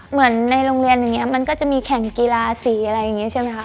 ในโรงเรียนอย่างนี้มันก็จะมีแข่งกีฬาสีอะไรอย่างนี้ใช่ไหมคะ